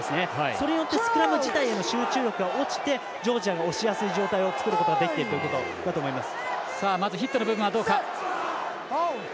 それによりスクラムへの集中力が落ちて、ジョージアが押しやすい状況を作ることができているんだと思います。